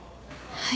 はい。